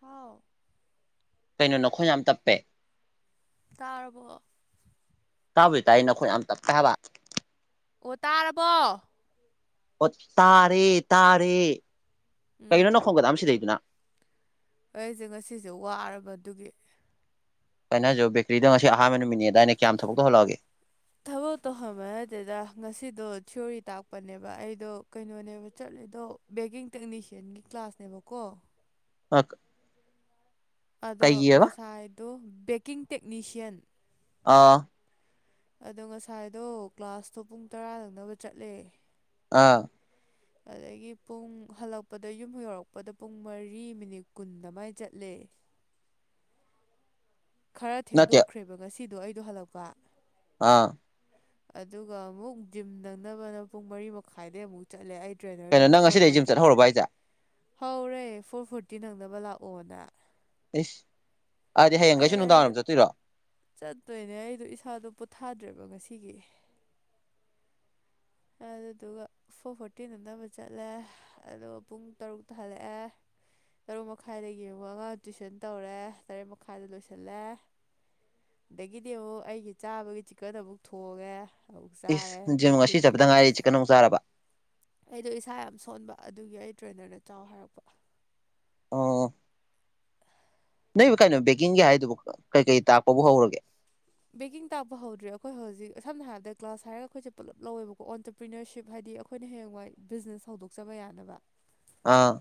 ꯍꯥꯎ ꯀꯩꯅꯣ ꯅꯈꯣꯏ ꯌꯥꯝ ꯇꯞꯄꯦ ꯇꯥꯔꯕ ꯇꯥꯕꯩ ꯇꯥꯏ ꯅꯈꯣꯏ ꯌꯥꯝ ꯇꯞꯄ ꯍꯥꯏꯕ ꯑꯣ ꯇꯥꯔꯕꯣ ꯑꯣ ꯇꯥꯔꯦ ꯇꯥꯔꯦ ꯀꯒꯤꯩꯅꯣ ꯎꯝ ꯅ ꯈꯣꯡꯒꯗꯝ ꯁꯤꯗꯩꯗꯨꯅ ꯑꯩꯁꯦ ꯉꯁꯤꯁꯦ ꯋꯥꯔꯕꯗꯨꯒꯤ ꯀꯥꯏꯩꯅ ꯍꯥꯏꯖꯨ ꯕꯦꯀꯔꯤꯗ ꯉꯁꯤ ꯑꯍꯥꯟꯕ ꯅꯨꯃꯤꯠꯅꯤꯗ ꯑꯩꯅ ꯀꯌꯥꯝ ꯊꯕꯛꯇ ꯇꯧꯍꯂꯛꯑꯒꯦ ꯄꯣ ꯇꯧꯍꯕ ꯑꯗꯨꯗ ꯉꯁꯤꯗꯣ ꯊꯤꯑꯣꯣꯔꯤ ꯇꯥꯛꯄꯅꯦꯕ ꯑꯩꯗꯣ ꯀꯩꯅꯣꯅꯦꯕ ꯆꯠꯂꯦꯗꯣ ꯕꯦꯀꯤꯡ ꯇꯦꯛꯅꯤꯁꯤꯌꯥꯟꯒꯤ ꯀ꯭ꯂꯥꯁꯅꯦꯕꯀꯣ ꯑꯣ ꯑꯗꯣ ꯉꯁꯥꯏꯗꯣ ꯕꯦꯛꯀꯤꯡ ꯇꯦꯛꯅꯤꯁꯤꯌꯥꯟ ꯑꯥ ꯑꯗꯣ ꯉꯁꯥꯏꯗꯣ ꯀ꯭ꯂꯥꯁꯇꯣ ꯄꯨꯡ ꯇꯔꯥ ꯅꯪꯅꯕ ꯆꯠꯂꯦ ꯑꯥ ꯑꯗꯒꯤ ꯄꯨꯡ ꯍꯜꯂꯛꯄꯗ ꯌꯨꯝ ꯌꯧꯔꯛꯄꯗ ꯄꯨꯡ ꯃꯔꯤ ꯃꯤꯅꯤꯠ ꯀꯨꯟꯗ ꯃꯥꯏ ꯆꯠꯂꯦ [inaudible] ꯈꯔ ꯅꯠꯇꯦ ꯊꯦꯡꯗꯣꯛꯈ꯭ꯔꯦꯕ ꯉꯁꯤꯗꯣ ꯑꯩꯗꯣ ꯍꯜꯂꯛꯄ ꯑꯥ ꯑꯗꯨꯒ ꯑꯃꯨꯛ ꯖꯤꯝ ꯅꯪꯅꯕꯅ ꯄꯨꯡ ꯃꯔꯤ ꯃꯈꯥꯏꯗꯩ ꯑꯃꯨꯛ ꯆꯠꯂꯦ ꯑꯩ ꯀꯩꯅꯣ ꯇ꯭ꯔꯦꯅꯔꯗꯨꯅ ꯅꯪ ꯐꯣꯔ ꯑꯁꯤꯗꯒꯤꯩ ꯖꯤꯝ ꯐꯣꯔꯇꯤ ꯆꯠꯍꯧꯔꯕ ꯍꯥꯏꯁꯦ ꯍꯧꯔꯦ ꯐꯣꯔ ꯐꯣꯔꯇꯤ ꯅꯪꯅꯕ ꯂꯥꯛꯑꯣꯅ ꯑꯦꯁ ꯑꯗꯨ ꯑꯩꯗꯣ ꯆꯠꯇꯣꯏꯅꯦ ꯑꯩꯗꯣ ꯏꯁꯥꯗꯣ ꯄꯣꯊꯥꯗ꯭ꯔꯦꯕ ꯉꯩꯁ ꯁꯤꯒꯤ [inaudible] ꯑꯗꯨꯗꯨꯒ ꯐꯣꯔ ꯐꯣꯔꯇꯤ ꯅꯝꯗꯕ ꯆꯠꯂꯦ ꯑꯗꯨꯒ ꯄꯨꯡ ꯇꯔꯨꯛꯇ ꯍꯜꯂꯛꯑꯦ ꯇꯔꯨꯛ ꯃꯈꯥꯏꯗ ꯌꯦꯡꯉꯨꯒ ꯑꯉꯥꯡ ꯇꯨꯏꯁꯟ ꯇꯧꯔꯦ ꯇꯔꯦꯠ ꯃꯈꯥꯏꯗ ꯂꯣꯏꯁꯤꯜꯂꯦ ꯑꯗꯒꯤꯗꯤ ꯑꯃꯨꯛ ꯑꯩꯒꯤ ꯆꯥꯕꯒꯤ ꯆꯤꯛꯀꯗ ꯑꯃꯨꯛ ꯊꯣꯡꯉꯦ ꯑꯃꯨꯛ ꯆꯥꯔꯦ ꯏꯁ ꯑꯗꯨꯒ ꯉꯁꯤ ꯍꯤꯞꯄꯤ ꯆꯠꯄꯗ ꯉꯥꯏꯔꯤꯁꯤꯦ ꯀꯩꯅꯣꯝ ꯆꯥꯔꯕ ꯑꯩꯗꯣ ꯏꯁꯥ ꯌꯥꯝ ꯁꯣꯟꯕ ꯑꯗꯨꯒꯤ ꯑꯩ ꯇ꯭ꯔꯦꯅꯔꯗ ꯆꯥꯎ ꯍꯥꯏꯔꯛꯄ ꯑ ꯅꯣꯏꯕ ꯀꯩꯅꯣ ꯕꯦꯀꯤꯡꯒꯤ ꯍꯥꯏꯗꯨꯕꯨ ꯀꯩ ꯀꯔꯤ ꯇꯥꯛꯄꯕꯨ ꯍꯧꯔꯒꯦ ꯕꯦꯀꯤꯡ ꯇꯥꯛꯄ ꯍꯧꯗ꯭ꯔꯦ ꯑꯩꯈꯣꯏ ꯍꯧꯖꯤꯛ ꯁꯝꯅ ꯍꯥꯏꯔꯕꯗ ꯀ꯭ꯂꯥꯁ ꯍꯥꯏꯔꯒ ꯑꯩꯈꯣꯏꯁꯦ ꯄꯨꯂꯞ ꯂꯧꯋꯦꯕꯀꯣ ꯑꯣꯟꯇꯔꯄ꯭ꯔꯤꯅꯔꯁꯤꯞ ꯍꯥꯏꯗꯤ ꯗꯤ ꯑꯩꯈꯣꯏꯅ ꯍꯌꯦꯡꯋꯥꯏ ꯕꯤꯖꯤꯅꯦꯁ ꯍꯧꯗꯣꯛꯆꯕ ꯌꯥꯅꯕ ꯑꯥ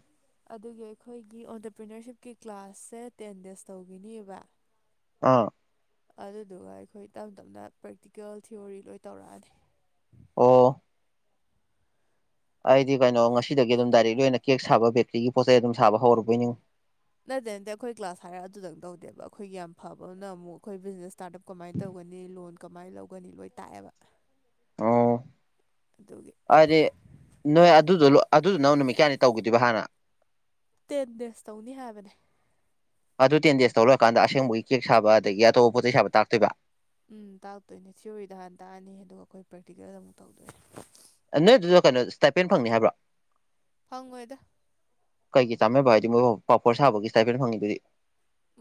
ꯑꯗꯨꯒꯤ ꯑꯩꯈꯣꯏꯒꯤ ꯑꯣꯟꯇꯔꯄ꯭ꯔꯤꯅꯔꯁꯤꯞꯀꯤ ꯀ꯭ꯂꯥꯁꯁꯦ ꯇꯦꯟ ꯗꯦꯖ ꯇꯧꯈꯤꯅꯦꯕ ꯑꯥ ꯑꯗꯨꯗꯨꯒ ꯑꯩꯈꯣꯏ ꯇꯞ ꯇꯞꯅ ꯄ꯭ꯔꯦꯛꯇꯤꯀꯦꯜ ꯊꯤꯑꯣꯣꯔꯤ ꯂꯣꯏ ꯇꯧꯔꯛꯑꯅꯤ ꯑꯣ ꯑꯩꯗꯤ ꯀꯩꯅꯣ ꯉꯁꯤꯗꯒꯤ ꯑꯗꯨꯝ ꯗꯥꯏꯔꯦꯛꯂꯤ ꯑꯣꯏꯅ ꯀꯦꯛ ꯁꯥꯕ ꯕꯦꯇ꯭ꯔꯤꯒꯤ ꯄꯣꯠ ꯆꯩꯩ ꯑꯗꯨꯝ ꯁꯥꯕ ꯍꯧꯔꯨꯕꯣꯏꯅꯤ ꯅꯠꯇꯦ ꯅꯠꯇꯦ ꯑꯩꯈꯣꯏ ꯀ꯭ꯂꯥꯁ ꯍꯥꯏꯔꯒ ꯑꯗꯨꯗꯪ ꯇꯧꯗꯦꯕ ꯑꯩꯈꯣꯏꯒꯤ ꯌꯥꯝ ꯐꯕ ꯑꯃꯨꯛ ꯑꯩꯈꯣꯏ ꯕꯤꯖꯤꯅꯦꯁ ꯏꯁꯇꯥꯔꯠ ꯑꯞ ꯀꯃꯥꯏꯅ ꯇꯧꯒꯦ ꯇꯒꯅꯤ ꯂꯣꯟ ꯀꯃꯥꯏꯅ ꯂꯧꯒꯅꯤ ꯂꯣꯏ ꯇꯥꯛꯑꯦꯕ ꯑꯣ ꯑꯗꯨꯒꯤ ꯑꯗꯨꯗꯤ ꯅꯣꯏ ꯑꯗꯨꯗ ꯂ ꯑꯗꯨꯗꯨꯅꯪ ꯅꯨꯃꯤꯠ ꯀꯌꯥꯅꯤ ꯇꯧꯈꯤꯗꯣꯏꯕ ꯍꯥꯟꯅ ꯇꯦꯟ ꯗꯦꯁ ꯇꯧꯅꯤ ꯍꯥꯏꯕꯅꯦ ꯑꯗꯨ ꯇꯦꯟ ꯗꯦꯖ ꯇ ꯂꯔꯑꯀꯥꯟꯗ ꯑꯁꯦꯡꯕꯒꯤ ꯀꯦꯛ ꯁꯥꯕ ꯑꯗꯒꯤ ꯑꯇꯣꯞꯄ ꯄꯣꯠ ꯆꯩ ꯁꯥꯕ ꯇꯥꯛꯇꯣꯏꯕ ꯎꯝ ꯇꯥꯛꯇꯣꯏꯅꯦ ꯊꯤꯑꯣꯣꯔꯤꯗ ꯍꯥꯟꯅ ꯇꯥꯛꯑꯅꯤ ꯑꯗꯨꯒ ꯑꯩꯈꯣꯏ ꯄ꯭ꯔꯦꯛꯇꯤꯀꯦꯜꯗ ꯑꯃꯨꯛ ꯇꯧꯗꯣꯏꯅꯤ ꯅꯣꯏ ꯑꯗꯨꯗ ꯀꯩꯅꯣ ꯁꯇꯥꯏꯄꯦꯟ ꯐꯪꯅꯤ ꯍꯥꯏꯕ꯭ꯔꯥ ꯐꯪꯉꯣꯏꯗ ꯀꯩꯒꯤ ꯆꯥꯃꯦꯕ ꯍꯥꯏꯗꯤ ꯃꯣꯏ ꯄꯥꯄꯣꯔ ꯁꯥꯕꯒꯤ ꯁꯇꯥꯏꯐꯦ ꯐꯪꯉꯤꯗꯨꯗꯤ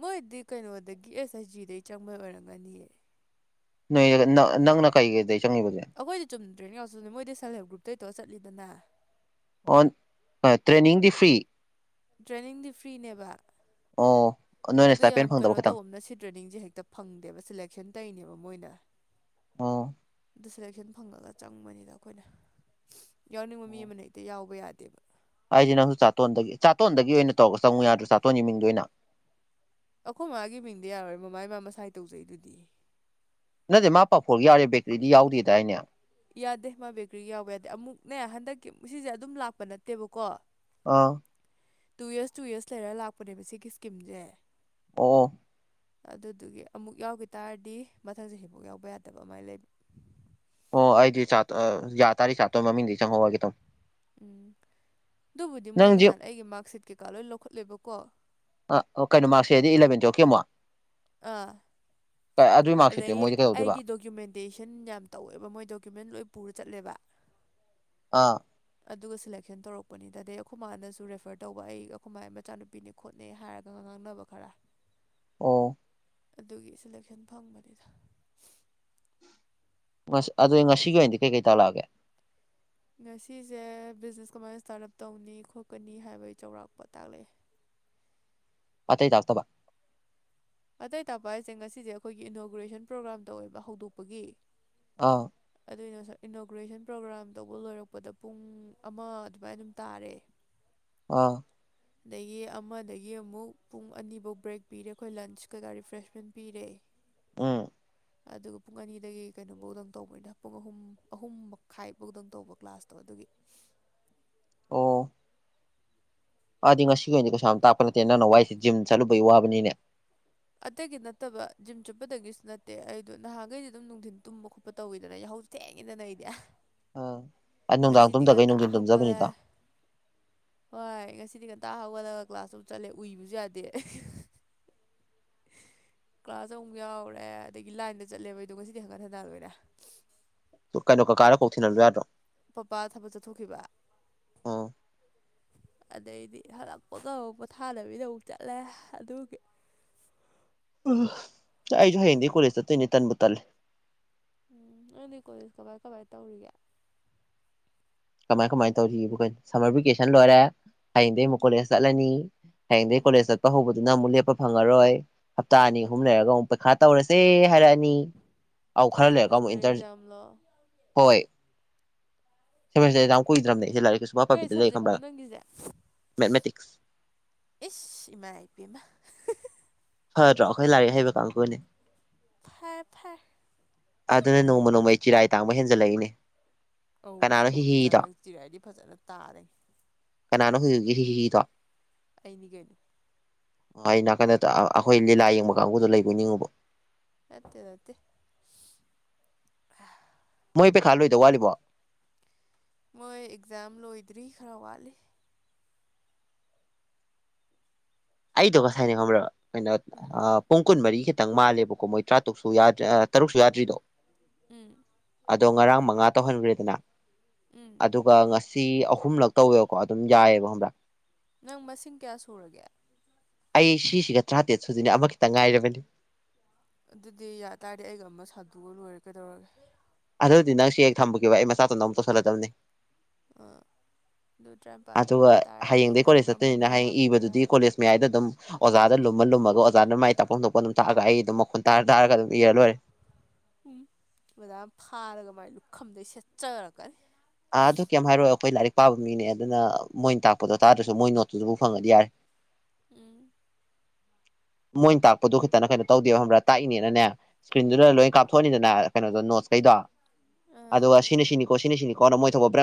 ꯃꯣꯏꯗꯤ ꯀꯩꯅꯣꯗꯒꯤ ꯑꯦꯁ ꯍꯩꯁ ꯖꯤꯗꯒꯤꯩ ꯆꯪꯕ ꯑꯣꯏꯔꯝꯒꯅꯤꯑ ꯅ ꯅ ꯅꯪꯅ ꯀꯩꯒꯦ ꯇ ꯑꯩꯈꯣꯏꯗꯤ ꯆꯨꯝꯅꯗ꯭ꯔꯦꯅ ꯌꯥꯎꯁꯕꯅꯤ ꯃꯣꯏꯗꯤ ꯁꯦꯜꯞ ꯍꯦꯜꯞ ꯒ꯭ꯔꯨꯞꯇꯩ ꯇꯧꯔꯒ ꯆꯠꯂꯤꯗꯅ ꯑꯣꯟ ꯇ꯭ꯔꯦꯅꯤꯡꯗꯤ ꯐ꯭ꯔꯤ ꯇ꯭ꯔꯦꯅꯤꯡꯗꯤ ꯐ꯭ꯔꯤꯅꯦꯕ ꯑꯣ ꯅꯣꯏꯅ ꯑꯗꯨ ꯏꯁꯇꯥꯏꯄꯦꯟ ꯌꯥꯝ ꯐꯪꯗꯕ ꯀꯩꯅꯣ ꯈꯤꯇꯪ ꯇꯧꯕꯅ ꯁꯤ ꯇ꯭ꯔꯦꯅꯤꯡꯁꯦ ꯍꯦꯛꯇ ꯐꯪꯗꯦꯕ ꯁꯤꯦꯂꯦꯛꯁꯟ ꯇꯧꯅꯦꯕ ꯣꯏꯅ ꯑꯣ ꯑꯗꯨ ꯁꯦꯂꯦꯛꯁꯟ ꯐꯪꯉꯒ ꯆꯪꯕꯅꯤꯗ ꯑꯩꯈꯣꯏꯅ ꯌꯥꯎꯅꯤꯡꯕ ꯃꯤ ꯑꯃꯅ ꯍꯦꯛꯇ ꯌꯥꯎꯕ ꯌꯥꯗꯦꯕ ꯑꯩꯁꯤꯦ ꯅꯪꯁꯨ ꯆꯥꯇꯣꯟꯗꯒꯤ ꯆꯥꯇꯣꯟꯗꯒꯤ ꯑꯣꯏꯅ ꯇꯧꯔꯒ ꯆꯪꯉꯨ ꯌꯥꯗ꯭ꯔꯣ ꯆꯥꯇꯣꯟꯒꯤ ꯃꯤꯡꯗ ꯑꯣꯏꯅ ꯑꯩꯈꯣꯏ ꯃꯥꯒꯤ ꯃꯤꯡꯗꯤ ꯌꯥꯔꯣꯏ ꯃꯃꯥꯃꯥ ꯃꯁꯥꯏ ꯇꯧꯖꯩꯗꯨꯗꯤ ꯅꯠꯇꯦ ꯃꯥ ꯄꯥꯐꯣꯔ ꯌꯥꯎꯔꯦ ꯕꯦꯀ꯭ꯔꯤꯗꯤ ꯌꯥꯎꯗꯦꯗꯥꯏꯅꯦ ꯌꯥꯗꯦ ꯃꯥ ꯕꯦꯀꯔꯤ ꯌꯥꯎꯕ ꯌꯥꯗꯦ ꯑꯃꯨꯛꯅꯦ ꯍꯟꯗꯛꯀꯤ ꯁꯤꯁꯦ ꯑꯗꯨꯝ ꯂꯥꯛꯄ ꯅꯠꯇꯦꯕꯀꯣ ꯑꯥ ꯇꯨ ꯌꯔꯁ ꯇꯨ ꯌꯔꯁ ꯂꯩꯔ ꯂꯥꯛꯄꯅꯦꯕ ꯁꯤꯒꯤ ꯏꯁꯀꯤꯝꯁꯦ ꯑꯣ ꯑꯗꯨꯗꯨꯒꯤ ꯑꯃꯨꯛ ꯌꯥꯎꯈꯤ ꯇꯥꯔꯗꯤ ꯃꯊꯪꯁꯦ ꯍꯐꯣꯛ ꯌꯥꯎꯕ ꯌꯥꯗꯕ ꯑꯗꯨꯥꯏ ꯂꯩꯕ ꯑꯣ ꯑꯩꯗꯤ ꯆ ꯌꯥ ꯇꯔꯗꯤ ꯆꯥꯇꯣꯏ ꯃꯃꯤꯡꯗꯤ ꯆꯪꯍꯧꯑꯒꯦ ꯇꯪ ꯎꯝ ꯑꯗꯨꯕꯨꯗꯤ ꯃꯣꯏ ꯅꯪꯁꯦ ꯅꯍꯥꯟ ꯑꯩꯒꯤ ꯃꯥꯔꯛꯁꯤꯠ ꯀꯩꯀꯥ ꯂꯣꯏ ꯂꯧꯈꯠꯂꯦꯕꯀꯣ ꯑ ꯀꯩꯅꯣ ꯃꯥꯔꯛꯁꯤꯗꯤ ꯏꯂꯚꯦꯟ ꯇꯨꯌꯦꯜꯞꯀꯤ ꯑꯃꯨꯛ ꯑꯥ ꯑꯗꯨꯒꯤ ꯃꯥꯔꯛꯁꯤꯠꯇꯨ ꯑꯗꯗꯒꯤ ꯃꯣꯏꯗꯤ ꯀꯩꯗꯧꯗꯣꯏꯕ ꯑꯩꯒꯤ ꯗꯣꯀꯨꯃꯦꯟꯇꯦꯁꯟ ꯌꯥꯝ ꯇꯧꯋꯦꯕ ꯃꯣꯏ ꯗꯣꯀꯨꯃꯦꯟ ꯂꯣꯏ ꯄꯨꯔ ꯆꯠꯂꯦꯕ ꯑꯥ ꯑꯗꯨꯒ ꯁꯦꯂꯦꯛꯁꯟ ꯇꯧꯔꯛꯄꯅꯤꯗꯗꯩ ꯑꯩꯈꯣꯏ ꯃꯥꯅꯁꯨ ꯔꯦꯐꯔ ꯇꯧꯕ ꯑꯩꯈꯣꯏ ꯃꯥ ꯃꯆꯥꯅꯨꯄꯤꯅꯦ ꯈꯣꯠꯅꯦ ꯍꯥꯏꯔꯒ ꯉꯥꯡꯅꯕ ꯈꯔ ꯑꯣ ꯑꯗꯨꯒꯤ ꯁꯦꯂꯦꯛꯁꯟ ꯐꯪꯕꯅꯤꯗ ꯑꯗꯨꯗꯤ ꯉꯁꯤꯒꯤ ꯑꯣꯏꯅꯗꯤ ꯀꯩꯀꯩ ꯇꯧ ꯂꯛꯑꯒꯦ ꯉꯁꯤꯁꯦ ꯕꯤꯖꯤꯅꯦꯁ ꯀꯃꯥꯏꯅ ꯏꯁꯇꯥꯔꯠ ꯑꯞ ꯇꯧꯅꯤ ꯈꯣꯠꯀꯅꯤ ꯍꯥꯏꯕꯒꯤ ꯆꯥꯎꯔꯥꯛꯄ ꯇꯥꯛꯂꯛꯑꯦ [unintelligible] ꯑꯇꯩ ꯇꯥꯛꯇꯕ ꯑꯇꯩ ꯇꯥꯄ ꯍꯥꯏꯁꯦ ꯉꯁꯤꯁꯦ ꯑꯩꯈꯣꯏꯒꯤ ꯏꯅꯣꯒ꯭ꯔꯦꯁꯟ ꯄ꯭ꯔꯣꯒ꯭ꯔꯥꯝꯗ ꯑꯣꯏꯕ ꯍꯧꯗꯣꯛꯄꯒꯤ ꯑꯥ ꯑꯗꯨꯏꯅ ꯃꯁꯛ ꯏꯅꯣꯒ꯭ꯔꯦꯁꯟ ꯄ꯭ꯔꯣꯒ꯭ꯔꯥꯝ ꯇꯧꯕ ꯂꯣꯏꯔꯛꯄꯗ ꯄꯨꯡ ꯑꯃ ꯑꯗꯨꯃꯥꯏ ꯑꯗꯨꯝ ꯇꯥꯔꯦ ꯑꯥ ꯑꯗꯒꯤ ꯑꯃꯗꯒꯤ ꯑꯃꯨꯛ ꯄꯨꯡ ꯑꯅꯤꯐꯧ ꯕ꯭ꯔꯦꯛ ꯄꯤꯔꯦ ꯑꯩꯈꯣꯏ ꯂꯟꯁ ꯀꯩꯀꯥ ꯔꯤꯐ꯭ꯔꯦꯁꯃꯦꯟ ꯄꯤꯔꯦ ꯎꯝ ꯑꯗꯨꯒ ꯄꯨꯡ ꯑꯅꯤꯗꯒꯤ ꯀꯩꯅꯣꯝꯐꯧꯗꯪ ꯇꯧꯕꯅꯤꯅ ꯄꯨꯡ ꯑꯍꯨꯝ ꯑꯍꯨꯝ ꯃꯈꯥꯏꯐꯧꯗꯪ ꯇꯧꯕ ꯀ꯭ꯂꯥꯁꯇꯣ ꯑꯗꯨ ꯑꯩꯒꯤ [unintelligible] ꯑꯗꯤ ꯉꯁꯤꯒꯤ ꯑꯣꯏꯅꯗꯤ ꯀꯩꯁꯥ ꯌꯥꯝ ꯇꯥꯛꯞꯄ ꯅꯠꯇꯦ ꯅꯪ ꯋꯥꯏꯁꯦ ꯖꯤꯝ ꯆꯠꯂꯨꯕꯩ ꯋꯥꯕꯅꯤꯅꯦ ꯑꯇꯩꯒꯤ ꯅꯠꯇꯕ ꯖꯤꯝ ꯆꯨꯞꯄꯗꯒꯤꯁꯨ ꯅꯠꯇꯦ ꯑꯩꯗꯣ ꯅꯍꯥꯟꯈꯩꯗꯤ ꯑꯗꯨꯝ ꯅꯨꯡꯊꯤꯟ ꯇꯨꯝꯕ ꯈꯣꯠꯄ ꯇꯧꯋꯤꯗꯅ ꯌꯥ ꯦꯡꯉꯅꯣꯏꯗꯌꯥ ꯑꯥ ꯑꯩ ꯅꯨꯡꯗꯥꯡ ꯇꯨꯝꯊꯈꯩ ꯅꯨꯡꯊꯤꯟ ꯍꯧꯒꯠꯂꯦ ꯇꯨꯝꯖꯕꯅꯤꯗ ꯁꯤꯗꯤ ꯉꯟꯇ ꯍꯧꯒꯠꯂꯒ ꯀ꯭ꯂꯥꯁꯇꯨ ꯆꯠꯂꯦ ꯎꯏꯕꯁꯨ ꯌꯥꯗꯦ [unintelligible] ꯀ꯭ꯂꯥꯁ ꯑꯃꯨꯛ ꯌꯥꯎꯔꯦ ꯑꯗꯒꯤ ꯂꯥꯏꯟꯗ ꯆꯠꯂꯦꯕꯗꯣ ꯉꯁꯤꯗꯤ ꯍꯟꯒꯠ ꯍꯟꯊꯜꯂꯣꯏꯔꯦ ꯇ ꯀꯩꯅꯣ ꯀꯥꯔ ꯀꯧ ꯊꯅꯔ ꯌꯥꯗ꯭ꯔꯣ ꯄꯄꯥ ꯊꯕꯛ ꯆꯠꯊꯣꯛꯈꯤꯕ ꯎꯝ ꯑꯗꯩꯗꯤ ꯍꯗꯛ ꯄꯣꯠꯇ ꯄꯣꯊꯥꯗꯕꯤꯗ ꯑꯃꯨꯛ ꯆꯠꯂꯦ ꯑꯗꯨꯒꯤ ꯑꯩꯁꯨ ꯍ ꯍꯗꯤ ꯀꯁꯗ ꯇꯅꯦ ꯇꯟꯕꯨ ꯇꯂꯦ ꯎꯝ ꯅꯪꯗꯤ ꯀꯣꯂꯦꯖ ꯀꯃꯥꯏ ꯀꯃꯏ ꯇꯧꯔꯤꯒꯦ ꯀꯃꯥꯏ ꯀꯃꯥꯏ ꯇꯧꯔꯤ ꯁꯝꯃꯔ ꯚꯦꯀꯦꯁꯟ ꯂꯣꯏꯔꯦ ꯍꯌꯦꯡꯗꯒꯤꯩ ꯑꯃꯨꯛ ꯎꯝ ꯀꯣꯂꯦꯖ ꯆꯠꯂꯅꯤ ꯍꯌꯦꯡꯗꯒꯤꯩ ꯎꯝ ꯀꯣꯂꯦꯖ ꯆꯠꯄ ꯍꯧꯕꯗꯨꯅ ꯑꯃꯨꯛ ꯂꯦꯞꯄ ꯐꯪꯉꯔꯣꯏ ꯍꯞꯇꯥ ꯑꯅꯤ ꯎꯝ ꯑꯍꯨꯝ ꯂꯩꯔꯒ ꯑꯃꯨꯛ ꯄꯩꯈꯥ ꯇꯧꯔꯁꯦ ꯍꯥꯏꯔꯛꯑꯅꯤ ꯑꯥꯎ ꯈꯔ ꯂꯩꯔꯀ ꯑꯃꯨꯛ ꯁꯦꯃꯤꯁꯇꯔ ꯏꯇꯔ ꯑꯦꯛꯖꯥꯝꯂꯣ ꯍꯣꯏ ꯌꯥꯝ ꯀꯣꯏ ꯏꯔꯝ ꯀꯩ ꯁꯕꯖꯦꯛꯅꯣ ꯅꯪꯒꯤꯁꯦ ꯃꯦꯠꯃꯦꯇꯤꯛꯁ ꯏꯁ ꯏꯃꯥ ꯏ ꯄꯃ ꯐꯗ꯭ꯔꯣ ꯑꯩꯈꯣꯏ ꯂꯥꯏꯔꯤꯛ ꯍꯩꯕ ꯀꯥꯡꯅꯦ ꯊꯦ ꯊꯦ ꯑꯗꯨꯅ ꯅꯣꯡꯃ ꯅꯣꯡꯃꯩ ꯆꯤꯔꯥꯏ ꯇꯥꯡꯕ ꯍꯦꯟꯖꯜꯂꯛꯏꯅꯦ ꯑꯧ ꯀꯅꯥꯅꯣ ꯑꯁꯦꯡꯕ ꯃꯆꯥ ꯍꯤꯍꯤꯗꯣ ꯅꯪ ꯆꯤꯔꯥꯏꯗꯤ ꯐꯖꯅ ꯇꯥꯗꯉ ꯀꯅꯥꯅꯣ ꯍꯧꯖꯤꯛ ꯍ ꯍꯗꯣ ꯑꯩꯅꯤ ꯀꯩꯅꯣ ꯅꯥꯀꯟꯗ ꯑꯩꯈꯣꯏ ꯂꯤꯂꯥ ꯌꯦꯡꯕ ꯀꯥꯡꯕꯨꯗꯣ ꯂꯩꯕꯤꯅꯤꯡꯉꯨꯕ ꯑꯠꯇꯦ ꯅꯠꯇꯦ ꯃꯣꯏ ꯄꯩꯈꯥ ꯂꯣꯏꯗꯧ ꯋꯥꯠꯂꯤꯕꯣ ꯃꯣꯏ ꯑꯦꯛꯖꯥꯝ ꯂ ꯏꯗꯔꯤ꯭ꯔꯋꯥꯂꯤꯦ ꯑꯩꯗꯣ ꯀꯁꯥꯏꯅꯤ ꯈ꯭ꯔꯣ ꯀꯩꯅꯣ ꯎꯝ ꯄꯨꯡ ꯀꯨꯟ ꯃꯔꯤꯈꯤ ꯈꯤꯇꯪ ꯃꯥꯜꯂꯦꯕꯀꯣ ꯃꯣꯏ ꯇꯔꯥꯇꯔꯨꯛꯁꯨ ꯌꯥꯗ ꯇꯔꯨꯛꯁꯨ ꯌꯥꯗ꯭ꯔꯤꯗꯣ ꯎꯝ ꯑꯗꯣ ꯉꯔꯥꯡ ꯃꯉꯥ ꯇꯧꯍꯟꯈ꯭ꯔꯦꯗꯅ ꯎꯝ ꯑꯗꯨꯒ ꯉ ꯁꯤ ꯑꯍꯨꯝꯂꯛ ꯇꯧꯋꯦꯕꯀꯣ ꯑꯗꯨꯝ ꯌꯥꯏꯑꯕ ꯑꯃ꯭ꯔꯛ ꯅꯪ ꯃꯁꯤꯡ ꯀꯌꯥ ꯁꯨꯔꯒꯦ ꯑꯩ ꯁꯤꯁꯤꯒ ꯇꯔꯥꯇꯔꯦꯠ ꯁꯨꯖꯤꯅꯤ ꯑꯃꯈꯈꯤꯛꯇ ꯉꯥꯏꯔꯕꯅꯤ ꯑꯗꯨꯗꯤ ꯌꯥ ꯇꯔꯗꯤ ꯑꯩꯒ ꯑꯃ ꯁꯥꯟꯗꯣꯛꯑꯒ ꯂꯣꯏꯔꯦ ꯀꯩꯗꯧꯔꯒꯦ ꯑꯗꯨꯗꯤ ꯅꯪ ꯁꯤ ꯍꯦꯛ ꯊꯝꯕꯈꯤꯕ ꯑꯩ ꯃꯆꯥꯇꯣ ꯅ ꯑꯃꯨꯛ ꯇꯧꯁꯤꯜꯂꯗꯕꯅꯤ ꯑ ꯑꯗꯨ ꯇꯔꯥꯅꯤꯄꯥꯟ ꯁꯨ ꯑꯗꯨꯒ ꯑꯣꯏ ꯇꯥꯔꯗꯤ ꯍꯌꯦꯡꯗꯒꯤꯩ ꯀꯣꯂꯦꯖ ꯅꯪꯗꯣ ꯆꯠꯇꯣꯏꯅꯤꯅ ꯑꯃꯗꯨꯒꯤ ꯍꯌꯦꯡ ꯍꯥꯞꯄꯣ ꯏꯕꯗꯨꯗꯤ ꯍꯥꯏꯔꯒꯦ ꯀꯣꯂꯦꯖ ꯃꯌꯥꯏꯗ ꯑꯗꯨꯝ ꯑꯣꯖꯥꯗ ꯂꯨꯝꯃ ꯂꯨꯝꯃꯒꯣ ꯑꯣꯖꯥꯅ ꯃꯥꯏ ꯇꯥꯛꯐꯝ ꯊꯣꯛꯄ ꯑꯗꯨꯝ ꯇꯥꯛꯑꯒ ꯑꯩ ꯑꯗꯨꯝ ꯃꯈꯨꯟ ꯇꯥꯔ ꯇꯥꯔꯒ ꯑꯗꯨꯝ ꯏꯔ ꯂꯔꯦ ꯎꯝ ꯃꯗꯥꯥ ꯐꯥꯔꯒ ꯃꯥꯏ ꯂꯨꯛ ꯈꯝꯗꯩ ꯁꯦꯠꯆꯔꯛꯀꯅꯤ ꯑꯥ ꯑꯗꯨ ꯀꯩꯝ ꯍꯥꯏꯔꯛꯑꯣ ꯑꯩꯈꯣꯏ ꯂꯥꯏꯔꯤꯛ ꯄꯥꯕ ꯃꯤꯅꯦ ꯑꯗꯨꯅ ꯃꯣꯏꯅ ꯇꯥꯛꯄꯗꯣ ꯇꯥꯗ꯭ꯔꯁꯨ ꯃꯣꯏ ꯅꯣꯠꯇꯨꯗꯕꯨꯥꯎ ꯐꯪꯉꯗꯤ ꯌꯥꯔꯦ ꯎꯝ ꯃꯣꯏꯅ ꯇꯥꯛꯄꯗꯨꯣ ꯈꯤꯇꯅ ꯀꯩꯅꯣ ꯇꯧꯗꯦꯕ ꯈꯕ꯭ꯔꯥ ꯇꯥꯛꯏꯅꯦꯅꯅꯦ ꯏꯁꯀ꯭ꯔꯤꯟꯗꯨꯗ ꯂꯣꯏꯅ ꯀꯥꯞꯊꯣꯛꯑꯅꯤꯗꯅ ꯀꯩꯅꯣꯗꯣ ꯅꯣꯠ ꯀꯩꯗ ꯑꯥ ꯑꯗꯨꯒ ꯁꯤꯅ ꯁꯤꯅꯤꯀꯣ ꯁꯤꯅ ꯁꯤꯅꯤꯀꯣ ꯅ ꯃꯣꯏ ꯊꯧꯕꯄ꯭ꯔ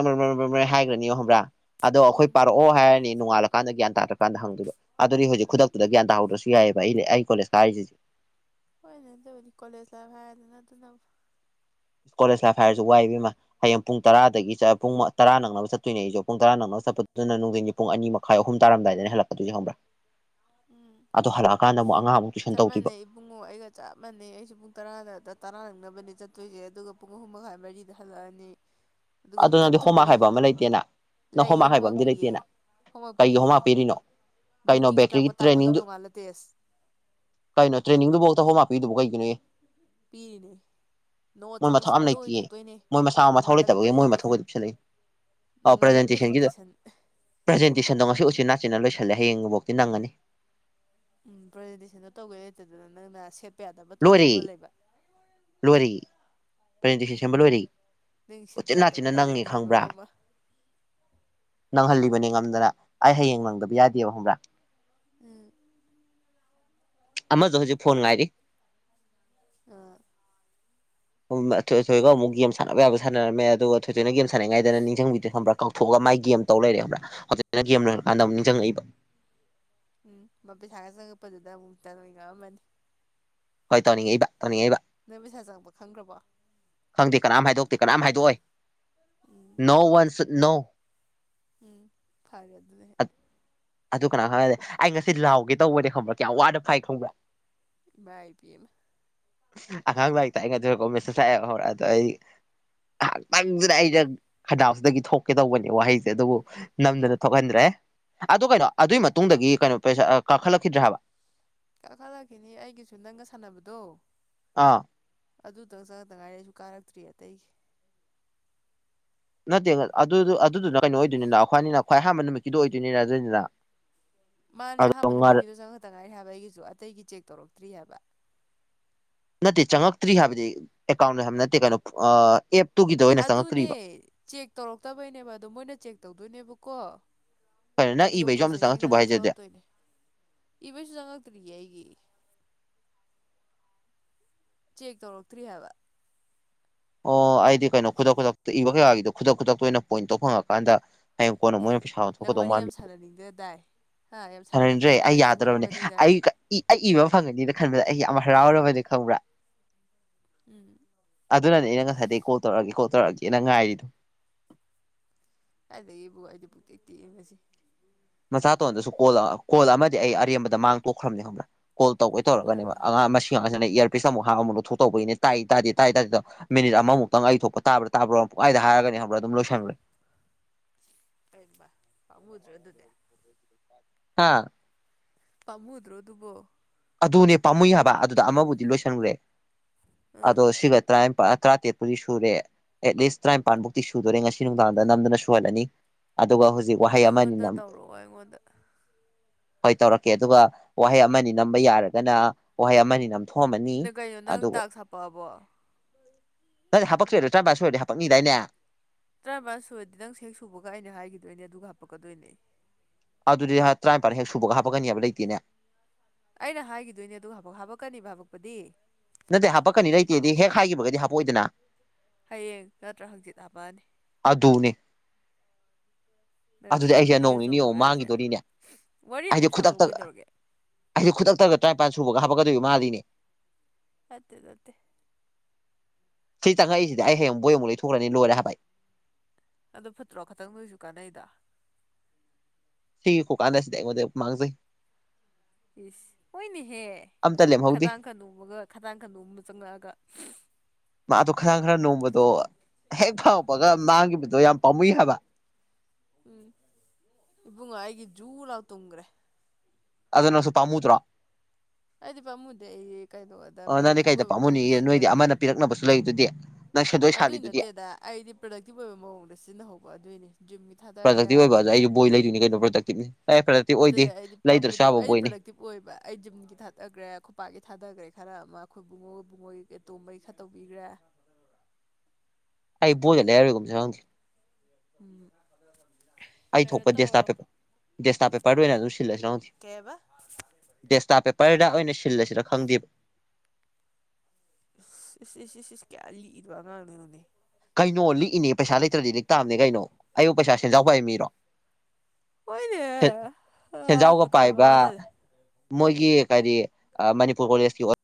ꯍꯥꯏꯈ꯭ꯔꯅꯤꯣ ꯍꯕ꯭ꯔꯥ ꯑꯗꯣ ꯑꯩꯈꯣꯏ ꯎꯝ ꯄꯔꯛꯑꯣ ꯍꯥꯏꯔꯅꯤ ꯣꯡꯉꯥꯂꯀꯗ ꯒ꯭ꯌꯥꯟ ꯇꯥꯗ꯭ꯔꯀꯥꯟꯗ ꯍꯪꯗꯨꯕ ꯑꯗꯨ ꯍꯧꯖꯤꯛ ꯈꯨꯗꯛꯇꯨꯗ ꯒ꯭ꯌꯥ ꯇꯍꯧꯗ꯭ꯔꯁꯨ ꯌꯥꯏꯑꯕ ꯑꯩꯅꯦ ꯑꯩ ꯀꯣꯂꯦꯖ ꯀꯥꯔꯤꯁꯤꯁꯦ ꯍꯣꯏꯅꯦ ꯇꯧꯅꯤ ꯀꯣꯂꯦꯖ ꯂꯥꯏ ꯍꯥꯏꯗꯅ ꯑꯗꯨꯅ ꯀꯣꯂꯦꯖ ꯂꯥꯏꯐ ꯍꯥꯏꯔꯁꯨ ꯋꯥꯏꯕꯃ ꯍꯌꯦꯡ ꯄꯨꯡ ꯇꯔꯥꯗꯒꯤ ꯇꯔꯥ ꯅꯛꯅꯕ ꯆꯠꯇꯣꯏꯅꯦ ꯑꯩꯁꯨ ꯄꯨꯡ ꯇꯔꯥ ꯅꯅꯕ ꯆꯠꯄꯗꯨꯅ ꯅꯨꯡꯊꯤꯟꯒꯤ ꯄꯨꯡ ꯑꯅꯤ ꯃꯈꯥꯏ ꯑꯍꯨꯝ ꯇꯥꯔꯝꯗꯥꯏꯗꯅ ꯍꯦꯜꯂꯛꯄꯗꯨꯁꯨ ꯍꯪꯕ꯭ꯔꯥ ꯎꯝ ꯇꯨꯏꯁꯟ ꯆꯞ ꯇꯧꯗꯣꯏꯕ ꯃꯥꯟꯅꯩ ꯏꯕꯨꯡꯉꯣ ꯑꯩꯒ ꯆꯞ ꯃꯥꯟꯅꯩ ꯑꯩꯁꯨꯦ ꯄꯨꯡ ꯇꯔꯥꯗ ꯇꯔꯥ ꯅꯛꯅꯕꯅꯦ ꯆꯠꯇꯣꯏꯁꯦ ꯑꯗꯨꯒ ꯄꯨꯡ ꯑꯍꯨꯝ ꯃꯈꯥꯏ ꯃꯔꯤꯗ ꯍꯜꯂꯛꯑꯅꯤ ꯑꯗꯨꯒ ꯑꯗꯨ ꯑꯃꯨꯛ ꯅꯪꯗꯤ ꯍꯣꯃꯥ ꯆꯠꯇꯣꯔꯤꯕꯅꯤ ꯈꯥꯏꯕ ꯑꯃ ꯂꯩꯇꯦꯅ ꯅꯪ ꯍꯣꯃꯥ ꯂꯩꯌꯦ ꯈꯥꯏꯕ ꯍꯣꯝꯋꯥꯛ ꯑꯝ ꯄꯤꯌꯦ ꯂꯩꯇꯦꯅ ꯀꯩ ꯑꯍꯣꯨꯝ ꯍꯥ ꯄꯦꯔꯤꯅꯣ ꯅꯨꯗꯤ ꯀ ꯑꯩꯒꯤ ꯇ꯭ꯔꯦꯅꯤꯡꯗꯨ ꯀꯩꯅꯣ ꯇ꯭ꯔꯦꯅꯤꯡꯗꯨꯐꯧ ꯇꯐꯝ ꯍꯥꯄꯤꯗꯨꯕꯨ ꯀꯩꯒꯤꯅꯣ ꯄꯤꯔꯤꯅꯦ ꯃꯣꯏ ꯅꯣꯠꯁ ꯑꯃꯨꯛ ꯁꯦꯝꯗꯣꯛꯑꯣꯏ ꯊꯣꯛꯇꯣꯏꯅꯦ ꯅꯣꯡꯉꯥꯜꯂꯒ ꯃꯣꯏꯊꯧ ꯄ꯭ꯔꯖꯦꯟꯇꯦꯁꯟ ꯄ꯭ꯔ ꯅꯣꯡꯉꯥꯜꯂ ꯄ꯭ꯔꯖꯦꯟꯇꯦꯁꯟ ꯄ꯭ꯔ ꯁ ꯎ ꯎꯆ ꯅꯥꯆꯤꯅꯥ ꯂꯣꯏꯁꯤꯜꯂꯦ ꯍꯌꯦꯡꯐꯧꯤ ꯅꯪꯉꯅꯤ ꯎꯝ ꯄ꯭ꯔꯖꯦꯟꯇꯦꯁꯟꯗꯣ ꯇꯧꯗ ꯂꯩꯇꯦꯗꯅ ꯅꯪꯅ ꯁꯦꯠꯄ ꯌꯥꯗꯕ ꯇꯧꯔꯦ ꯂꯣꯂꯕ ꯂꯔꯤ ꯄꯖꯦꯟꯇꯦꯛꯁꯟ ꯁꯦꯝꯕ ꯂꯣꯏꯔꯤ ꯅꯪ ꯁꯦꯠꯄ ꯎꯆꯆꯤ ꯌꯥꯗꯕ ꯅꯥꯆꯤꯟꯅ ꯇꯧꯋꯦ ꯅꯪꯉꯦ ꯑꯗꯨꯅ ꯈꯪꯕ꯭ꯔꯥ ꯃꯔꯣꯜ ꯑꯃ ꯅꯪꯍꯜꯂꯤꯕꯅꯤ ꯉꯝꯗꯅ ꯑꯩ ꯍꯌꯦꯡ ꯅꯪꯗꯕ ꯌꯥꯗꯦꯕ ꯍꯕ꯭ꯔꯥ ꯎꯝ ꯑꯃꯁꯗ ꯍꯧꯖꯤꯛ ꯐꯣꯟ ꯉꯥꯏꯔꯤ ꯑ [inaudible] ꯑꯊꯣꯏ ꯑꯊꯣꯏ ꯑꯃꯨꯛ ꯒꯦꯝꯥꯟꯅꯕ ꯌꯥꯕꯥꯟꯅꯝꯃꯦ ꯑꯗꯨꯒ ꯑꯩꯣꯏꯅ ꯒꯦꯝ ꯁꯥꯟꯅꯉꯥꯏꯅ ꯅꯤꯡꯁꯤꯡꯕꯤꯗ ꯈꯕ꯭ꯔꯥ ꯀꯥꯎꯊꯣꯛꯑꯒꯥꯏ ꯒꯦꯝ ꯇꯧ ꯂꯩꯔꯦꯕ꯭ꯔꯥ ꯍꯧꯖꯤꯛꯅ ꯒꯦꯝ ꯎꯝ ꯂꯣꯏꯔꯀꯥꯟꯗ ꯑꯃꯛ ꯅꯤꯡꯁꯤꯡꯉꯛꯏꯕ ꯎꯝ ꯃꯄꯤ ꯊꯒꯠ ꯁꯪꯉꯛꯄꯗꯨꯗ ꯑꯃꯨꯛꯇꯣꯏ ꯉꯑꯝꯃꯅꯤ ꯍꯣꯏ ꯇꯕ ꯅꯪ ꯄꯩꯁꯥ ꯆꯪꯕ ꯈꯪꯗ꯭ꯔꯕꯣ ꯈꯪꯗꯦ ꯀꯅꯥꯝ ꯍꯥꯏꯗꯣꯛꯇꯦ ꯀꯅꯥꯝ ꯍꯥꯏꯗꯣꯛꯑꯣꯏ ꯎꯝ ꯅꯣ ꯋꯥꯟꯁ ꯅꯣ ꯎꯝ ꯐꯔꯦ ꯑꯗꯨꯗꯤꯦꯛ ꯑꯗꯨ ꯀꯅꯥ ꯈꯪꯗꯤ ꯑꯩ ꯉꯁꯤ ꯂꯥꯎꯒꯦ ꯇꯧꯕꯅꯦ ꯈꯪꯕ꯭ꯔꯥ ꯀꯌꯥꯝ ꯋꯥꯅ ꯐꯥꯏ ꯈꯪꯕ꯭ꯔꯥ ꯏ ꯄꯅ ꯑꯉꯥꯡ ꯂꯥꯏꯔꯤꯛꯛꯇꯥꯏꯅꯗꯔ ꯀꯣꯃꯦꯁꯇ ꯆꯥꯏꯑꯦꯕ ꯍꯧꯔꯛꯑꯗꯣ ꯑꯩ ꯉꯍꯥꯛꯇꯪꯁꯤꯅ ꯑꯩꯩꯅ ꯈꯟꯗꯥꯞꯁꯤꯗꯒꯤ ꯊꯣꯛꯀꯦ ꯇꯧꯕꯅꯦ ꯋꯥꯍꯩꯁꯦ ꯑꯗꯨꯕꯨ ꯅꯝꯗꯅ ꯊꯣꯛꯍꯟꯗ꯭ꯔꯦ ꯑꯗꯨ ꯀꯩꯅꯣ ꯑꯗꯨꯏ ꯃꯇꯨꯡꯗꯒꯤ ꯀꯩꯅꯣ ꯄꯩꯁꯥ ꯀꯥꯈꯠꯂꯛꯈꯤꯗ꯭ꯔꯦ ꯍꯥꯏꯕ ꯀꯥꯈꯜꯂꯛꯈꯤꯅꯤ ꯑꯩꯒꯤꯁꯨ ꯅꯪꯒ ꯁꯥꯟꯅꯕꯗꯣ ꯑꯥ ꯑꯗꯨꯗꯪ ꯆꯗꯉꯥꯏꯔ ꯑꯩꯁꯨ ꯀꯥꯔꯛꯇ꯭ꯔꯤ ꯑꯇꯩꯒꯤ ꯅꯠꯇꯦ ꯑꯗꯨ ꯑꯗꯨꯗꯨꯅ ꯀꯩꯅꯣ ꯑꯣꯏꯗꯣꯏꯅꯤꯗ ꯑꯩꯈꯣꯏꯅꯤꯅ ꯈ꯭ꯋꯥꯏ ꯑꯍꯥꯟꯕ ꯅꯨꯃꯤꯠꯀꯤꯗꯨꯣ ꯑꯣꯏꯗꯣꯏꯅꯤ ꯔꯥꯖꯣꯏꯅꯤꯗ ꯃꯥꯅꯦ ꯑꯍꯥꯟꯕ ꯅꯨꯃꯤꯠꯀꯤꯗꯣ ꯆꯪꯉꯛꯇ ꯉꯥꯏ ꯍꯥꯏꯕ ꯑꯩꯒꯤꯁꯨ ꯑꯇꯩꯒꯤ ꯆꯦꯛ ꯇꯧꯔꯛꯇ꯭ꯔꯤ ꯍꯥꯏꯕ ꯅꯠꯇꯦ ꯆꯪꯉꯛꯇ꯭ꯔꯤ ꯍꯥꯏꯕꯗꯤ ꯑꯦꯀꯥꯎꯟꯗ ꯍꯥꯏꯕ ꯅꯠꯇꯦ ꯀꯩꯅꯣ ꯑꯦꯞ ꯑꯗꯨꯅꯦ ꯆꯦꯛ ꯇꯧꯔꯛꯇꯕꯩꯅꯦꯕ ꯑꯗꯣ ꯃꯣꯏꯅ ꯆꯦꯛ ꯇꯧꯗꯣꯏꯅꯦꯕꯀꯣ ꯀꯔ ꯅꯪ ꯑꯗꯨꯒ ꯏꯕ ꯏ ꯌꯣꯝꯗ ꯆꯪꯉꯛꯇ꯭ꯕ ꯍꯥꯏꯖꯗꯦ ꯏꯕꯁꯨ ꯆꯉꯛꯛꯇꯔꯤꯏꯒꯤ ꯆꯦꯛ ꯇꯧꯔꯛꯇ꯭ꯔꯤ ꯍꯥꯏꯕ ꯑꯣ ꯑꯩꯗꯤ ꯀꯩꯅꯣ ꯈꯨꯗꯛ ꯈꯨꯗꯛꯇ ꯏꯕ ꯀꯌꯥꯒꯤꯗꯣ ꯈꯨꯗꯛ ꯈꯨꯗꯛꯇ ꯑꯣꯏꯅ ꯄꯣꯏꯟ ꯇꯧ ꯐꯪꯉꯀꯥꯟꯗ ꯍꯌꯦꯡ ꯀꯣꯟꯅ ꯃꯣꯏꯅ ꯄꯩꯁꯥ ꯅꯪ ꯋꯥꯔꯤ ꯌꯥꯝ ꯁꯥꯟꯅꯅꯤꯡꯗ ꯗꯥꯏ ꯍꯥ ꯌꯥꯝ ꯁꯔꯟꯗ꯭ꯔꯦ ꯁꯥꯟꯅꯅꯤꯡꯗ ꯑꯩ ꯗꯥꯏ ꯌꯥꯗ꯭ꯔꯕꯅꯦ ꯆꯪꯉꯛꯑꯕꯅꯤꯅ ꯑꯩ ꯑꯩ ꯏꯕ ꯐꯪꯒꯅꯤꯅ ꯈꯟꯕꯗ ꯑꯩ ꯌꯥꯝ ꯍꯔꯥꯎꯔꯕꯗꯤ ꯈꯪꯕ꯭ꯔꯥ ꯎꯝ ꯑꯗꯨꯅꯅꯦ ꯑꯩꯅ ꯉꯁꯥꯏꯗꯒꯤ ꯀꯣꯜ ꯇꯧꯔꯛꯑꯒꯦ ꯀꯣꯜ ꯇꯧꯔꯛꯑꯒꯦꯅ ꯉꯥꯏꯔꯤꯗꯣ ꯑꯗꯩꯌꯦꯕꯨ ꯍꯥꯏꯗꯤ ꯄꯨꯠꯇꯇꯁꯤ ꯃꯆꯥꯇꯣꯟꯗꯁꯨ ꯀꯣꯜ ꯀꯣꯜ ꯑꯃꯗꯤ ꯑꯩ ꯑꯔꯦꯝꯕꯗ ꯃꯥꯡ ꯇꯣꯛꯈ꯭ꯔꯕꯅꯤ ꯈꯅ ꯀꯣꯜ ꯇꯧꯕꯒꯩ ꯇꯧꯔꯒꯅꯦ ꯍꯩꯃꯥ ꯑꯉꯥꯡ ꯃꯁꯤꯡ ꯏꯌꯥꯔ ꯄꯁ ꯑꯃꯨꯛ ꯍ ꯑꯃꯨꯛ ꯂꯧ ꯊꯣꯛꯇꯧꯕꯒꯤꯅꯤ ꯇꯥꯏ ꯇꯥꯗꯦ ꯇꯥꯏ ꯇꯥꯗꯣ ꯃꯤꯅꯤꯠ ꯑꯃꯃꯨꯛꯇꯪ ꯑꯩ ꯊꯣꯛꯄ ꯇꯥ꯭ꯔꯥ ꯇꯥꯕ꯭ꯔꯥ ꯍꯔꯒꯅꯤ ꯍꯥ꯭ꯔ ꯇꯝ ꯂ ꯁ ꯂꯩ ꯀꯝꯕ ꯐꯃꯨꯗ꯭ꯔꯣ ꯑꯗꯨꯗ ꯑꯥ ꯄꯝꯃꯨꯗ꯭ꯔꯣ ꯑꯗꯨꯕꯣ ꯑꯗꯨꯅꯦ ꯄꯥꯝꯃꯨꯏ ꯍꯥꯏꯕ ꯑꯗꯨꯗ ꯑꯃꯕꯨꯗꯤ ꯂꯣꯏꯁꯟꯈ꯭ꯔꯦ ꯑꯥ ꯑꯗꯣ ꯁꯤꯒ ꯇꯔꯥ ꯇꯔꯥꯇꯔꯦꯠꯄꯨꯗꯤ ꯁꯨꯔꯦ ꯑꯦꯠꯂꯤꯁ ꯇꯔꯥꯅꯤꯄꯥꯟ ꯐꯥꯎꯛꯇꯤ ꯁꯨꯗꯣꯔꯦ ꯉꯁꯤ ꯅꯨꯡꯗꯥꯡꯗ ꯅꯝꯗꯅ ꯁꯨꯍꯜꯂꯅꯤ ꯑꯗ ꯀ ꯍꯧꯖꯤ ꯑꯩꯉꯣꯟꯗ ꯇꯧꯔꯛꯑꯣ ꯑꯩꯉꯣꯟꯗ ꯍꯣꯏ ꯇꯧꯔꯛꯀꯦ ꯑꯗꯨꯒ ꯋꯥꯍꯩ ꯑꯃꯅꯤ ꯅꯝꯕ ꯌꯥꯔꯒꯅ ꯋꯥꯍꯩ ꯑꯃꯅꯤ ꯅꯝ ꯅꯪ ꯀꯩꯅꯣ ꯅꯪ ꯇꯥꯛ ꯁꯥꯄꯛꯑꯕꯣ ꯅꯪ ꯍꯥꯄꯛꯛꯇꯣꯏꯣ ꯆꯥꯕ ꯁꯣꯏꯔꯗꯤ ꯍꯥꯄꯛꯅꯤꯗꯥꯏꯅꯦ ꯇꯔꯥ ꯁꯨꯔꯗꯤ ꯅꯪ ꯁꯦꯛ ꯁꯨꯕꯒ ꯑꯩꯅ ꯍꯥꯏꯈꯤꯗꯣꯏꯅꯦ ꯑꯗꯨꯒ ꯍꯥꯄꯛꯀꯗꯣꯏꯅꯦ ꯑꯗꯨꯗꯤ ꯇꯔꯥꯅꯤꯄꯥꯟ ꯍꯦꯛ ꯁꯨꯕꯒ ꯍꯥꯞꯄꯛꯀꯅꯤ ꯍꯥꯏꯕ ꯂꯩꯇꯦꯅꯦ ꯑꯩꯅ ꯍꯥꯏꯈꯤꯗꯣꯏꯅꯦ ꯑꯗꯨ ꯍꯥꯕꯛ ꯍꯥꯄꯛꯀꯅꯤꯕ ꯍꯥꯕꯛꯄꯗꯤ ꯅꯠꯇꯦ ꯍꯥꯄꯛꯀꯅꯤ ꯂꯩꯇꯦꯗꯤ ꯍꯦꯛ ꯍꯥꯏꯈꯤꯕꯒꯗꯤ ꯍꯥꯄꯑꯣꯏꯗꯅ ꯍꯌꯦꯡ ꯅꯠꯇ꯭ꯔꯥ ꯍꯪꯆꯤꯠ ꯍꯥꯄꯛꯑꯅꯤ ꯑꯗꯅꯦ ꯅꯪ ꯐꯤꯗꯤꯡ ꯐꯤꯗꯤꯡꯒ ꯆꯣꯡꯉꯨꯔꯦ ꯍꯥꯏꯁꯦ ꯃꯥꯡꯈꯤꯗꯣꯔꯤꯅꯦ ꯋꯥꯔꯤ ꯑꯗꯨꯝ ꯁꯥꯟꯅꯕ ꯀꯩꯗꯧꯔꯒꯦ ꯑꯩꯁ ꯈꯨꯗꯛꯇꯒ ꯇꯔꯥꯅꯤꯄꯥꯟ ꯁꯨꯕꯒ ꯍꯥꯞꯄꯛꯀꯗꯣꯏꯔꯤꯕ ꯃꯥꯜꯂꯤꯅꯦ ꯑꯠꯇꯦ ꯑꯗꯨꯠꯇꯦ ꯊꯩꯇꯥꯡꯉ ꯑꯩꯁꯤꯗꯤ ꯑꯥꯏ ꯍ ꯕꯌꯦꯝ ꯃꯡꯂꯩ ꯊꯧꯈꯅꯤ ꯂꯣꯏꯅ ꯍꯕꯥꯏ ꯑꯗꯣ ꯐꯠꯇ꯭ꯔꯣ ꯈꯛꯇꯪ ꯅꯣꯏꯁꯨ ꯀꯥꯟꯅꯩꯗ ꯁꯤ ꯀꯣ ꯀꯥꯟꯗꯁꯤꯗ ꯃ ꯃꯥꯥꯡꯒꯖꯩ ꯏꯁ ꯍꯣꯏꯅꯦꯍꯦ ꯑꯝꯇ ꯂꯦꯝꯍꯧꯗꯦ ꯈꯗꯥꯡ ꯈꯗꯣꯝꯃꯒ ꯈꯗꯥꯡ ꯈꯔ ꯅꯣꯕ ꯆꯪꯉꯛꯑꯒ ꯃꯥꯗꯣ ꯈꯔꯥꯡ ꯈꯔ ꯅꯣꯡꯃꯗꯣ ꯍꯦꯛ ꯐꯥꯎꯉꯛꯄꯒ ꯃꯥꯡꯈꯤꯕꯗꯣ ꯌꯥꯝ ꯄꯥꯝꯃꯨꯏ ꯍꯥꯏꯕ ꯎꯝ ꯏꯕ ꯉꯥꯏꯒꯤ ꯖꯨꯂꯥꯎ ꯇꯨꯡꯉ꯭ꯔꯦ ꯑꯗꯨꯅꯁꯨꯄꯥꯥꯝꯃꯨꯗ꯭ꯔꯥ ꯑꯩꯗꯤ ꯄꯥꯝꯃꯨꯗꯤ ꯑꯩ ꯀꯩꯅꯣꯗ ꯑ ꯅꯪꯗꯤ ꯄ꯭ꯔꯗꯛꯇꯤꯞ ꯀꯩꯗ ꯑꯣꯏꯕ ꯃꯑꯣꯡꯗ ꯄꯥꯝꯃꯨꯅꯤꯒꯦ ꯅꯣꯏꯗꯤ ꯁꯤꯖꯤꯟꯅꯕꯅꯤꯅ ꯑꯃꯅ ꯄꯤꯔꯛꯅꯕꯁꯨ ꯂꯩꯗꯨꯗꯤ ꯅꯪ ꯁꯦꯟꯗꯣꯏ ꯑꯗꯨꯏ ꯁꯥꯜꯂꯤꯗꯨꯗꯤ ꯅꯠꯇꯦꯗ ꯑꯩꯗꯤ ꯄ꯭ꯔꯗꯛꯇꯤꯕ ꯑꯣꯏꯕ ꯃꯑꯣꯡꯗ ꯁꯤꯖꯤꯟꯅꯍꯧꯕ ꯑꯗꯨꯏꯅꯦ ꯄ꯭ꯔꯗꯛꯇꯤꯕ ꯑꯣꯏꯕ ꯑꯗ ꯑꯩꯁꯨ ꯕꯣꯏ ꯂꯩꯗꯣꯏꯅꯤ ꯀꯩꯅꯣ ꯄ꯭ꯔꯗꯛꯇꯤꯞꯅꯤ ꯑꯦ ꯄ꯭ꯔꯗꯛꯇꯤꯞ ꯑꯣꯏꯗꯦ ꯑꯗꯨꯗ ꯑꯩꯗꯤ ꯂꯩꯗ꯭ꯔꯁꯨ ꯄꯥꯝꯕꯨꯗꯦꯕ ꯌꯥꯕ ꯑꯩꯗꯤ ꯕꯣꯏꯅꯤ ꯄ꯭ꯔꯗꯛꯇꯤꯞ ꯑꯣꯏꯕ ꯑꯩ ꯖꯤꯝꯒꯤ ꯊꯥꯗꯈ꯭ꯔꯦ ꯈꯨꯄꯥꯛꯀꯤ ꯊꯥꯗꯈ꯭ꯔꯦ ꯈꯔ ꯑꯃ ꯑꯩꯈꯣꯏ ꯨꯡꯉꯣꯏ ꯨꯡꯉꯣꯏ ꯑꯇꯣꯝꯕꯩ ꯈꯔ ꯇꯧꯕꯤꯈ꯭ꯔꯦ ꯑꯩ ꯣꯗ ꯂꯩ ꯍꯥꯏꯔꯣꯏꯒꯨꯝꯁꯦ ꯍꯪꯁꯦ ꯎꯝ ꯑꯩ ꯀꯩꯅꯣ ꯊꯣꯛꯄ ꯗꯦꯁꯇꯥ ꯇꯧꯔꯣ ꯄꯦꯄꯔ ꯗꯦꯁꯇꯥ ꯄꯦꯄꯔꯗ ꯑꯣꯏꯅ ꯑꯗꯨꯝ ꯁꯤꯜꯂꯁꯤ ꯀꯩꯕ ꯗꯦꯁꯇꯥ ꯄꯦꯄꯔꯗ ꯑꯩꯅ ꯁꯤꯜꯂꯁꯤꯔ ꯈꯪꯗꯦꯕ ꯁꯤꯁꯤꯁ ꯀꯌꯥ ꯂꯤ ꯋꯥꯒꯅꯤꯅꯦ ꯀꯩꯅꯣ ꯂꯤꯛꯏꯅꯦ ꯄꯩꯁꯥ ꯂꯩꯇ꯭ꯔꯗꯤ ꯂꯤꯛ ꯇꯥꯑꯕꯅꯦ ꯀꯩꯅꯣ ꯑꯌꯨꯛ ꯄꯩꯁꯥ ꯁꯦꯟꯖꯥꯎꯕꯕ ꯃꯤꯔꯣ ꯑꯣꯏꯣꯏꯅꯦ ꯑ ꯁꯦꯟꯖꯥꯎꯒ ꯍꯀꯥꯎ ꯄꯥꯏꯕ ꯑꯋꯥ ꯆꯂꯦ ꯃꯣꯏꯒꯤ ꯀꯔꯤ ꯃꯅꯤꯄꯨꯔ ꯀꯣꯂꯦꯖꯀꯤ